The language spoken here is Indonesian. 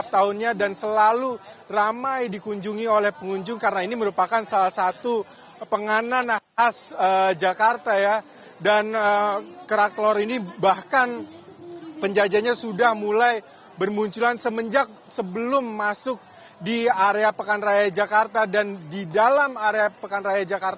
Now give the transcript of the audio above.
pekan raya jakarta